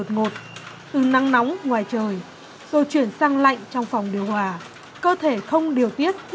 ngồi ở đúng cái chỗ điều hòa